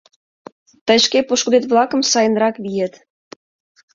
Тый шке пошкудет-влакым сайынрак виет.